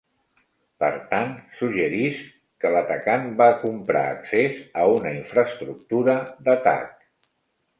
Per tant suggerisc que l'atacant va comprar accés a una infraestructura d'atac.